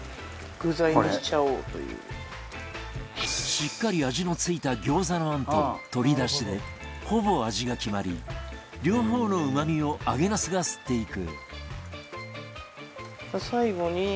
しっかり味の付いた餃子の餡と鶏だしでほぼ味が決まり両方のうまみを揚げなすが吸っていく